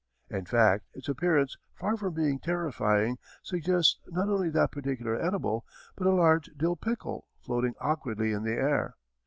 In fact its appearance far from being terrifying suggests not only that particular edible, but a large dill pickle floating awkwardly in the air.